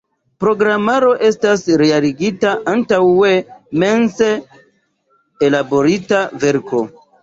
Programaro estas realigita antaŭe mense ellaborita verko.